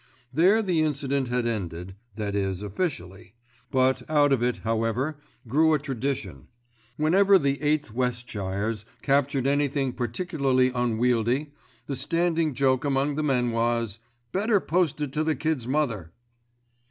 There the incident had ended, that is officially; but out of it, however, grew a tradition. Whenever the 8th Westshires captured anything particularly unwieldy, the standing joke among the men was, "Better post it to the Kid's mother."